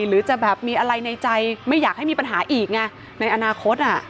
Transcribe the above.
หรือจะแบบมีอะไรในใจไม่อยากให้มีปัญหาอีกไงในอนาคต